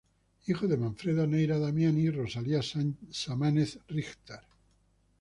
Hijo de Manfredo Neira Damiani y Rosalía Samanez Richter.